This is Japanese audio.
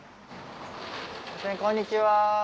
こんにちは。